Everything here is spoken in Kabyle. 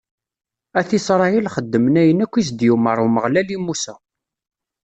At Isṛayil xedmen ayen akk i s-d-yumeṛ Umeɣlal i Musa.